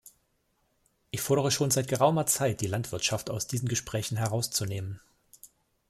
Ich fordere schon seit geraumer Zeit, die Landwirtschaft aus diesen Gesprächen herauszunehmen.